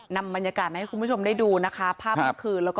นำบรรยากาศให้คุณผู้ชมได้ดูนะคะ